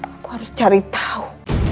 aku harus cari tau